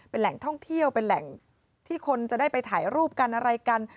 เป็นแหล่งท่องเที่ยวเป็นแหล่งที่คนจะได้ไปถ่ายรูปกันอะไรกัน